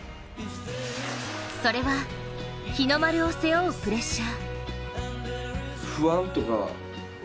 それは日の丸を背負うプレッシャー。